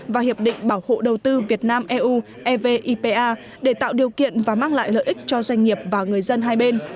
và hiệp định bảo hộ đầu tư việt nam eu evipa để tạo điều kiện và mang lại lợi ích cho doanh nghiệp và người dân hai bên